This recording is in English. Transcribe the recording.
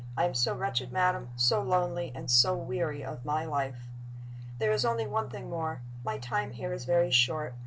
I am so wretched, madam so lonely and so weary of my life. "There is only one thing more. My time here is very short.